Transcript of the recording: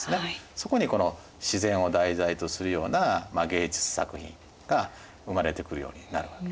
そこにこの自然を題材とするような芸術作品が生まれてくるようになるわけですね。